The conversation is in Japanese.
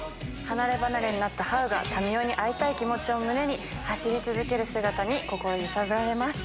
離れ離れになったハウが民夫に会いたい気持ちを胸に走り続ける姿に心揺さぶられます。